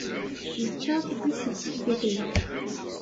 Yečča tubbit seg tsektit-nni.